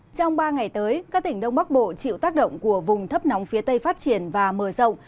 trong ba ngày tới các tỉnh đông bắc bộ chịu tác động của vùng thấp nóng phía tây phát triển và mở rộng